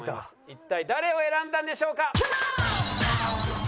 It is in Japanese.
一体誰を選んだんでしょうか？